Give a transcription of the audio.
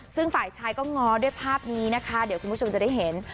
ซึ่งฝ่ายชายก็ง้อด้วยภาพนี้นะคะเดี๋ยวคุณผู้ชมจะได้เห็น